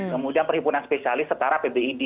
kemudian perhimpunan spesialis setara pbid